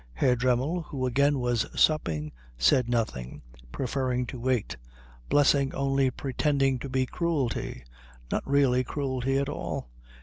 Herr Dremmel, who again was supping, said nothing, preferring to wait. "Blessing only pretending to be cruelty. Not really cruelty at all."